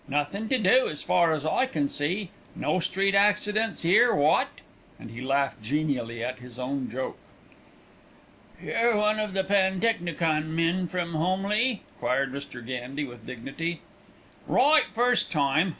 Nothin' to do, as far as I can see. No street accidents 'ere, wot?" and he laughed genially at his own joke. "You're one of the pantechnicon men from Holmleigh?" queried Mr. Gandy with dignity. "Right, first time!"